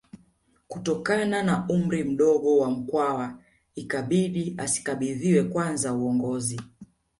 Kutokana na umri mdogo wa Mkwawa ikabidi asikabidhiwe kwanza uongozi